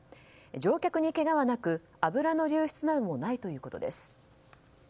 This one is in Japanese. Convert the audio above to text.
乗客にけがはなく油の流出などもないということです。